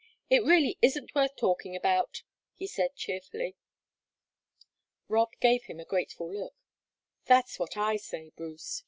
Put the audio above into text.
It really isn't worth talking about," he said, cheerfully. Rob gave him a grateful look. "That's what I say, Bruce!"